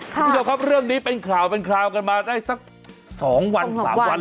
คุณเจ้าครับเรื่องนี้เป็นข่าวกันมาได้สัก๒วัน๓วันแล้วมั้ง